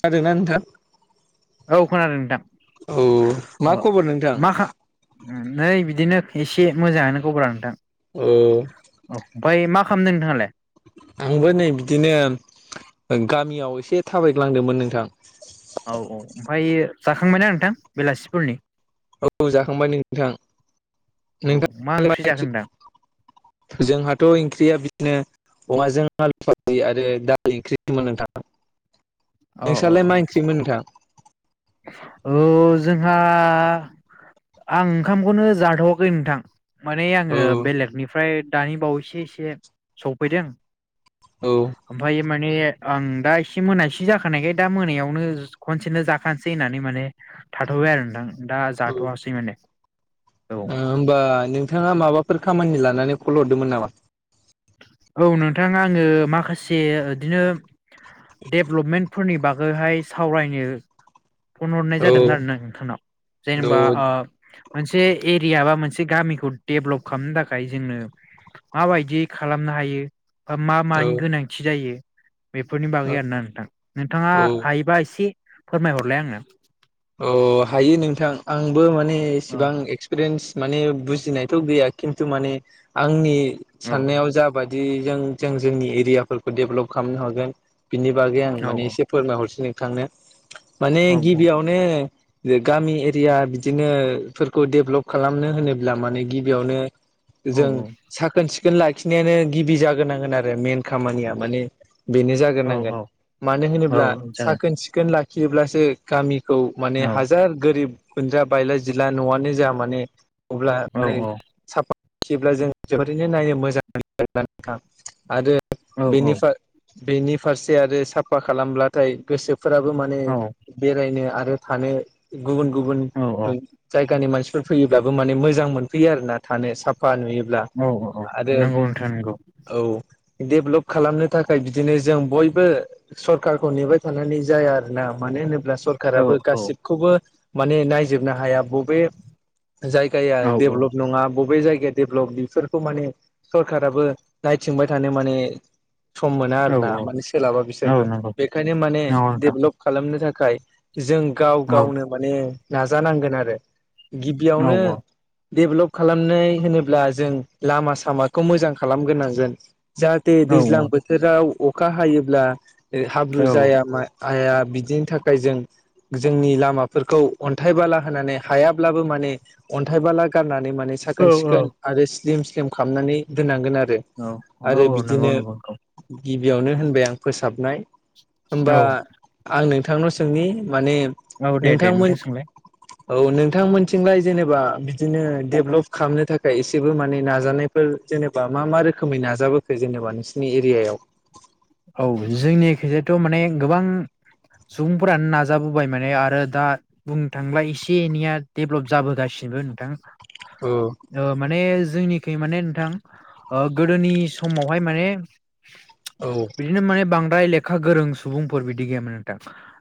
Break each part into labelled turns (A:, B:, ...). A: जादोंना नोंथां?
B: औ खोनादों नोंथां
A: औ मा खबर नोंथां?
B: उम नै बिदिनो ख एसे मोजाङानो गबरा नोंथां,
A: औ
B: औ ओमफाय मा खामदों नोंथाङालाय?
A: आंबो नै बिदिनो गामियाव एसे थाबायग्लांदोमोन नोंथां ।
B: औ औ ओमफ्राय जाखांबायना नोंथां बेलासिफोरनि ।
A: औ जाखांबाय नोंथां
B: औ
A: नोंथाङालाय मा
B: ओंख्रि जाखो
A: ओंखि।
B: नोंथां
A: जोंहाथ' इंख्रिया बिदनो। अमाजों आलु फाजि आरो दालि ओंख्रिमोन नोंथां।
B: अ'
A: नोंस्रालाय
B: अ' अ'
A: मा ओंख्रिमोन नोंथां
B: औ ज जोंहा आं ओंखामखौनो जाथ'वखै नोंथां। माने
A: औ
B: आङो बेलेगनिफ्राय दानि बावैसो एसे सफैदों।
A: औ।
B: ओमफ्राय माने आं दा एसे मोनासे जाखा खानायखाय दा मोनायावनो ज खनसेनो जाखानोसै होन्नानै माने थाथ'बाय आरो नोंथां। दा
A: औ
B: जाथ'वासै माने औ
A: होमबा नोंथाङा माबाफोर खामानि लानानै कल हरदोंमोन नामा
B: औ नोंथाङा आङो माखासे बिदिनो डिभेलपमेन्टफोरनि बागैहाय सावरायनो फन हरनाय
A: औ
B: जादोंमोन आरो ना नोंथांनाव जेनेबा ओ मोनसे एरिया बा मोनसे एसे गामिखौ डेभलप खालामनो थाखाय जोंनो माबायदि खालामनो हायो मा
A: औ
B: मानि गोनांथि जायो बेफोरनि बागै
A: औ
B: आरोना नोंथां नोंथाङा
A: औ
B: हायोबा एसे फोरमायहरलाय आंनो
A: अ हायो नोंथां आंबो माने
B: औ
A: एसिबां एक्सपिरियेन्स माने बुजिनायथ' गैया खिन्थु माने आंनि
B: औ
A: साननायाव जाबाय बिदि जों जों जोंनि एरियाफोरखौ डेभलप खालामनो हागोन बिनि बागै आं
B: औ
A: माने एसे फोरमायहरसै नोंथांनो माने
B: औ
A: गिबियावनो गामि एरिया बिदिनो फोरखौ डेभलप खालामनो होनोब्ला माने गिबियावनो
B: औ
A: जों साखोन सिखोन लाखिनायानो गिबि जाग्रोनांगोन आरो मेन खामानिया माने बेनो
B: औ
A: जाग्रोनांगोन
B: औ
A: मानो होनोब्ला
B: जागोन
A: साखोन सिखोन लाखियोब्लासो गामि खौ माने
B: औ
A: हाजार गोरिब गुन्जा बायला जिला न'आनो जा मानो अब्ला
B: औ
A: मै साफा [inaudible] फैयोब्ला जों जोबोरैनो नायनो मोजांानाङा आरो
B: औ
A: बेनिफ्राय [inaudible] बेनि फारसे आरो साफा खालामब्लाथाय गोसोफोराबो माने बेरायनो आरो थानो गुबुन गुबुन
B: औ औ
A: जायगानि मानसिफोर फोर फैयोब्लाबो माने मोजां मोनफैयो आरोना थानो साफ साफा नुयोब्ला
B: औ औ
A: आरो
B: नंगौ नोंथां नंगौ
A: औ डेभेलप खालामनो थाखाय बिदिनो जों बयबो सरखारारखौ नेबाय थानानै जाया आरोना मानो होनोब्ला
B: औ
A: सरखाराबो गासिबखौबो माने नायजोबनो हाया बबे जायगाया
B: औ
A: डेभेलप नङा बबे जायगाया डेभेलप बेफोरखौ माने सरखाराबो नायथिंबाय थानो माने सम मोना
B: औ
A: आरोना माने सोलाबा
B: नंगौ
A: बिसोरबो
B: नंगौ
A: बेखायनो माने
B: नोंथां
A: डेभेलप खालामनो थाखाय जों गाव
B: औ
A: गावनो माने नाजानांगोन आरो
B: औ
A: गिबियावनो डेभेलप खालामनाय होनोब्ला जों लामा सामाखौ मोजां खालामग्रोनांगोन जाहाथे
B: औ
A: दैज्लां बोथोराव अखा हायोब्ला हाब्रु जाया मा जाया बिदिनि थाखाय जों जोंनि लामाफोरखौ अन्थाइ बाला होनानै हायाब्लाबो माने अन्थाइ बाला गारनानै नानै माने
B: औ
A: साखोन सिखोन आरो स्लिम स्लिम खालामनानै दोननांगोन आरो
B: औ
A: आरो
B: औ नंगौ
A: बिदिनो
B: नंगौ
A: गिबियावनो होनबाय आं फोसाबनाय
B: औ
A: होमबा आं नोंथांनाव सोंनि माने
B: औ दे दे
A: नोंथांमोन
B: नोंथां सोंलाय
A: औ नोंथांमोनथिंलाय जेनेबा बिदिनो डेभेलप खालामनो थाखाय एसेबो माने नाजानायफोर जेनेबा मा मा रोखोमै नाजाबोखो जेनेबा नोंसिनि एरियायाव
B: औ जोंनिथिंजायथ' माने गोबां सुबुंफोरानो नाजाबोबाय माने आरो दा बुंनो थांला एसे एनैया डेभेलप जाबोगासिनो बो नोंथां
A: औ
B: ओ माने जोंनि खै माने नोंथां ओ गोदोनि समावहाय माने
A: औ
B: बिदिनो माने बांद्राय लेखा गोरों सुबुंफोर बिदि गैयामोन नोंथां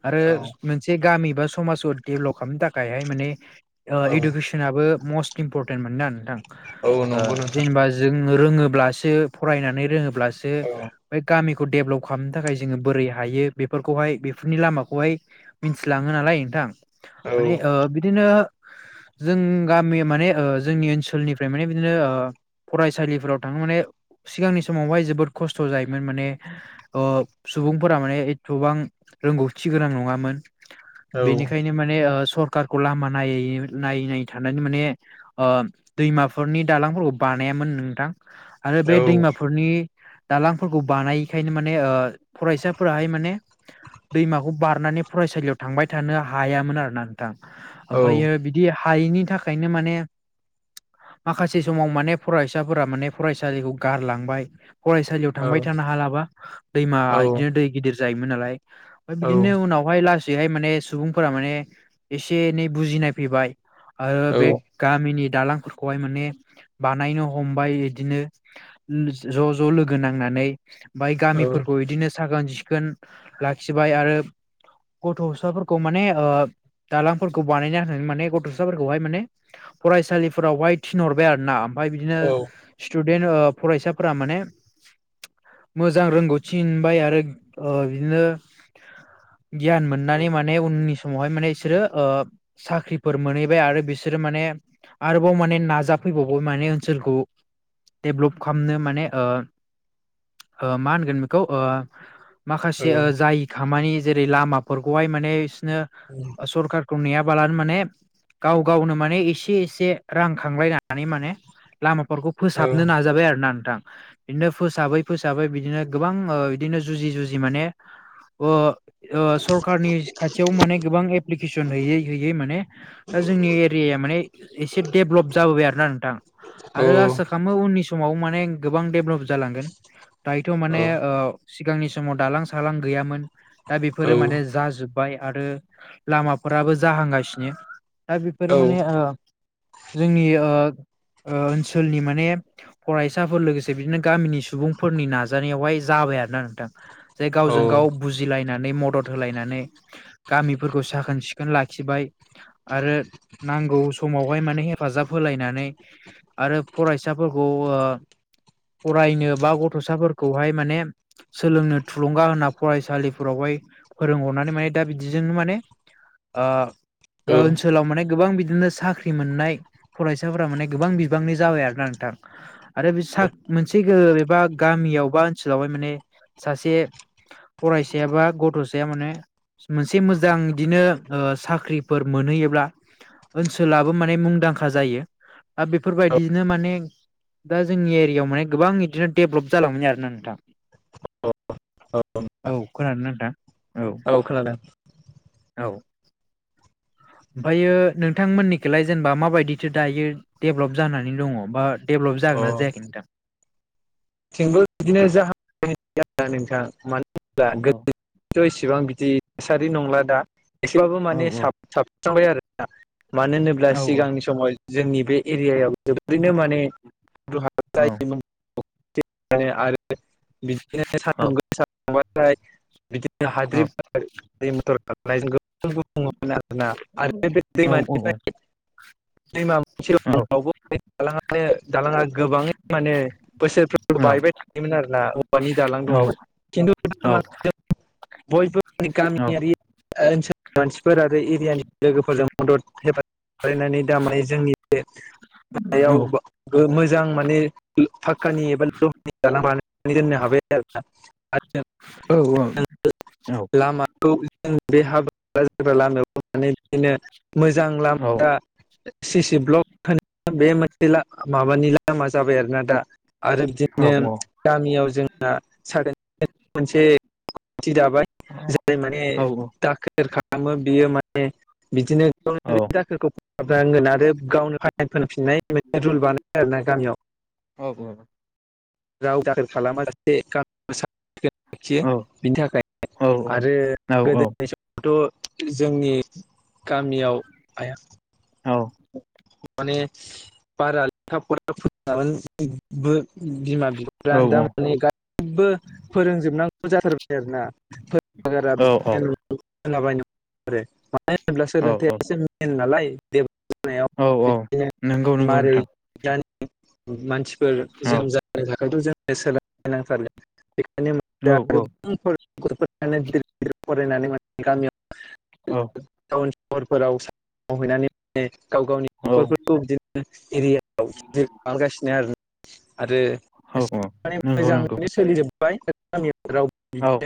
B: आरो मोनसे गामि बा समाजाव डेभेलप खालामनो थाखायहाय माने
A: औ
B: इडुकेसनाबो मस्ट इम्परटेन्टमोन ना नोंथां
A: औ
B: ओ
A: नंगौ नोंथां
B: जेनेबा जों रोंङोब्लासो फरायनानै रोङोब्लासो
A: औ
B: गामिखौ डेभेलप खालामनो थाखाय जोंङो बोरै हायो बेफोरखौहाय बेफोरनि लामाखौहाय मिथिलाङो नालाय नोंथां ओ
A: औ
B: माने ओ बिदिनो जों गामि माने ओ जोंनि ओनसोलनिफ्राय माने बिदिनो ओ फरायसालिफोराव थांङो माने सिगांनि समावहाय जोबोद खस्थ' जायो माने ओ सुबुंफोरा माने एथबां रोंगौथि गोनां नङामोन।
A: औ
B: बेनिखायनो माने ओ सरखारखौ लामा नायै नायै नायै थानानै माने ओ दैमाफोरनि दालांफोरखौ बा नायामोन नोंथां आरो
A: औ
B: बे दैमाफोरनि दांलां फोरखौ बानायिखायनो माने ओ फरायसाफोराहाय माने दैमाखौ बारनानै फरायसालियाव थांबाय थानो हायामोन आरोना नोंथां
A: औ
B: ओमफ्रायो बिदि हायैनि थाखायनो माने माखासे समाव माने फरायसाफोरा माने फरायसालिखौ गारलांबाय फरायसा
A: औ
B: थांबाय थानो हालाबा दैमा
A: औ
B: बिदिनो दै गिदिर जायोमोन नालाय ओमफ्राय
A: औ
B: बिदिनो उनावहाय ला सैहाय माने सुबुंफोरा माने एसे एनै बुजिनाय फैबाय आरो
A: औ
B: बे गामिनि दालांफोरखौहाय माने बानायनो हमबाय बिदिनो ज' ज' लोगो नांना नै गामिफोरखौ बिदिनो साखोन सिखोन लाखिबाय आरो गथ'साफोरखौ माने ओ दालांफोरखौ बानायना होननानै माने गथ'साफोरखौहाय माने फरायसालिफोरावहाय थिनहरबाय आरो ना ओमफ्राय बिदिनो स्टुडेन्ट फरायसाफोरा माने मोजां रोंगौथि मोनबाय आरो ओ बिदिनो गियान मोननानै माने उननि समावहाय माने बिसोरो ओ साख्रिफोर मोनहैबाय आरो बिसोरो माने आरोबाव माने नाजाफैबावबाय माने ओनसोलखौ डेभलप खालामनो माने ओ ओ मा होनगोन बेखौ ओ माखासे जायि खामानि जेरै लामाफोरखौहाय माने बिसोरनो सरखारखौ नेयाबालानो माने गाव गावनो माने एसे एसे रां खांलायनानै माने लामा फोरखौ फोसाबनो नाजाबाय आरो ना नोंथां बिनि उनाव फोसाबै फोसाबै बिदिनो गोबां बिदिनो जुजि-जुजि माने ओ ओ सरखारनि खाथियाव माने गोबां एप्लिकेसन हैयै हैयै माने दा जोंनि एरि या माने एसे डेभलप जाबोबाय आरोना नोंथां आरो आसा खालामो उननि सम आव माने गोबां डेभलप जालांगोन दायोथ' माने ओ सिगांनि समाव दालां सालां गैयामोन दा बेफोरो माने जाजोब बाय आरो लामाफोराबो जाहांगासिनो दा बेफोर माने
A: औ
B: ओ जोंनि ओ ओ-ओनसोलनि माने फरायसाफोर लोगोसे बिदिनो गामिनि सुबुंफोरनि नाजानायावहाय जाबाय आरोना नोंथां जाय गावजों गाव बुजिलाय नानै मदद होलायनानै गामिफोरखौ साखोन सिखोन लाखिबाय आरो नांगौ समावहाय माने हेफाजाब होलायनानै आरो फरायसाफोरखौ ओ [inaudible] फरायनो बा गथ'साफोरखौहाय माने सोलोंनो थुलुंगा होना फरायसालिफोरावहाय फोरोंहरनानै माने दा बिदिजोंनो माने ओ
A: औ
B: ओनसोलाव माने गोबां बि दिनो साख्रि मोननाय फरायसाफोरा माने गोबां बिबांनि जाबाय आरोना नोंथां आरो बे सा मोनसे ‌गो एबा गामियाव बा ओनसोलावहाय माने सासे फरायसाया बा गथ'साया माने मोनसे मोजां बिदिनो ओ साख्रिफोर मोनहैयोब्ला ओनसोलाबो माने मुंदांखा जायो आ बेफोरबायदिनो माने दा जोंनि एरियायाव माने गोबां इदिनो डेभलप जालांबाय आरोना नोंथां [inaudible] औ खोनादो ना नोंथां?
A: औ खोनादों।
B: औ [inaudible] ओमफ्रायो नोंथांमोननिखैलाय जेनेबा माबायदिथो दायो डेभलप जानानै दङ बा डेभेलप
A: अ
B: जागोनना जायाखै नोंथां?
A: थिंबो बिदिनो जाहांबाय नोंथां मानो होनोब्ला
B: औ
A: गोदोथ' एसे इसिबां बिदि थासारि नंला दा एसेबाबो
B: औ
A: माने
B: औ
A: साब साबस्रांबाय आरो दा मानो होनोब्ला
B: औ
A: सिगांनि समाव जोंनि बे एरियायाव जोबोरैनो मान
B: औ
A: [unintelligible] [unintelligible] [unintelligible] [unintelligible]
B: औ औ औ
A: दैमा
B: औ
A: मोनसेवबो बे दालांआनो दालांआ गोबाङै माने बोसोरफ्रोमबो बायबाय थायोमोन आरो ना औवानि दालां
B: औ
A: दंमोन खिन्थु [unintelligible] बयबो माने
B: औ
A: गामियारि ओनसोल मानसिफोर आरो एरियानि लोगोफोरजों मदद हेफाजाबनानै दामानि जोंनि बे माबायाव मोजां माने फाक्कानि एबा लहानि दालां बाना नो दोन्नो हाबाय आरो ना?
B: औ औ औ
A: [unintelligible] मोजां लामा सिसि ब्लक होन बे मोनसे ला माबानि लामा जाबाय आरोना दा आरो बिदिनो गामियाव जों [unintelligible] [unintelligible] खालामो बियो माने [unintelligible] गामियाव
B: औ औ
A: रावबो दाखोर खालामा जासे गामियाव साफ लाखियो बिनि थाखायनो आरो गोदोनि समावथ' जोंनि गामियाव आया
B: औ
A: माने बारा लेखा फरा फोन बो बिमा [unintelligible]
B: औ
A: लाबायनो आरो मानो होनोब्ला
B: औ औ
A: सोलोंथायासो मेन नालाय [unintelligible]
B: औ नंगौ नंगौ नोंथां
A: मानसिफोर
B: औ
A: जोनोम जोनोम जानो थाखायथ' जोंनो सोलाय नांथारगोन
B: औ औ
A: [unintelligible]
B: औ
A: टाउन सहरफोराव साख्रि मावहैनानै मान गाव गावनि
B: औ
A: न'खरफोरखौ बिदिनो एरिया गिदिर खालामारगासिनो आरो
B: औ
A: आरो
B: औ
A: माने
B: नंगौ नंगौ
A: मोजाङैनो सोलिजोबबाय
B: औ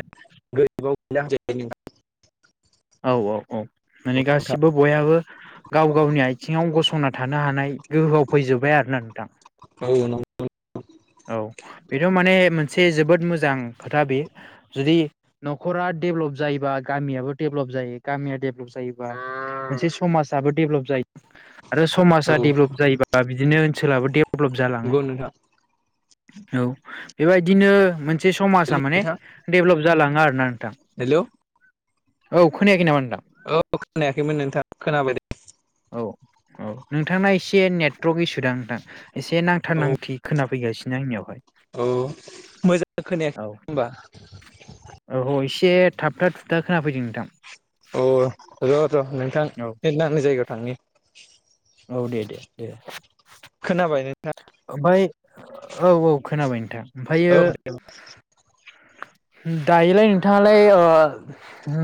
A: गि [unintelligible]
B: औ औ औ माने गासिबो बयाबो गाव गावनि आयथिङाव गसंना थानो हानाय गोहोआव फैजोबबाय आरोना नोंथां
A: औ नंगौ [unintelligible]
B: औ बेथ' माने मोनसे जोबोद मोजां खोथा बे जुदि न'खरा डेभलप जायोबा गामियाबो डेभलप जायो गामिया डेभलप जायोबा मोनसे समाजाबबो डेभलप जायो। आरो
A: औ
B: समाजा डेभ्लप जायोबा बिदिनो ओनसोलाबो डेभ्लप जालाङो।
A: नंगौ नोंथां
B: औ बेबायदिनो मोन मोनसे समाजा
A: हेल'
B: माने
A: नोंथां
B: डेभलप जालाङो आरोना नोंथां
A: हेलौ
B: औ खोनायाखै नामा नोंथां?
A: औ खोनायाखैमोन नोंथाङा खोनाबाय दे।
B: औ औ नोंथांना एसे नेटवर्क इसुदां नोंथां एसे नांथार
A: औ
B: नांथि खोनाफैगासिनो आंनियावहाय।
A: औ मोजां खोनायाखै
B: औ
A: होनबा?
B: औ औ एसे थाबथा थुथा खोनाफैदों नोंथां।
A: अ र' र' नोंथां
B: औ
A: नेट नांनाय जायगायाव थांनि।
B: औ दे दे दे।
A: खोनाबाय नोंथां?
B: ओमफ्राय औ औ खोनाबाय नोंथां। ओमफ्रायो
A: औ दे।
B: दायोलाय नोंथाङालाय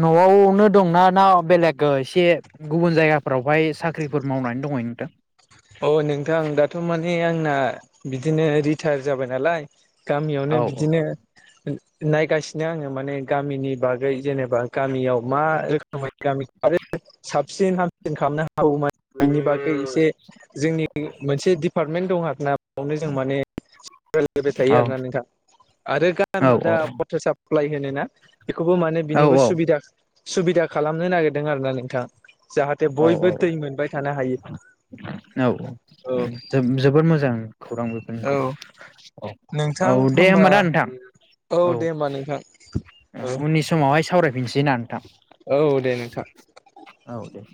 B: न'आवनो दंना ना बेलेग एसे गुबुन जायगाफोरावहाय साख्रिफोर मावनानै दङ नोंथां।
A: अ नोंथां दाथ' माने आंना बिदिनो रिटायार जाबाय नालाय। गामियावनो
B: औ
A: बिदिनो नायगासिनो आङो माने गामिनि बागै जेनेबा गामियाव मा रोखोमै गामि आरो साबसिन हामसिन खालामनो हमनि बागै एसे जोंनि मोनसे दिडिपार्टमेन्ट दं आरो नामावनो जों माने बाय थायो
B: औ
A: आरोना नोंथां आरो गामियाव
B: औ
A: दा
B: औ
A: वाटार साप्लाइ होनो ना? बेखौबो माने बिनिबो सुबिदा सुबिदा खालामनो नागिरदों आरो ना नोंथां। जाहाथे
B: औ
A: बयबो दै
B: औ
A: मोनबाय थानो हायो।
B: औ
A: औ
B: जोबोर मोजां। खौरां
A: औ
B: औ औ दे होमबा दे नोंथां औ।
A: दे होमबा नोंथां औ
B: उननि समावहाय सावरायफिनसै ना नोंथां
A: औ दे नोंथां
B: औ दे। [inaudible]